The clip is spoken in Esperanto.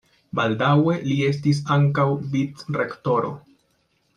Baldaŭe li estis ankaŭ vicrektoro.